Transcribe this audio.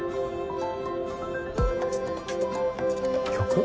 曲？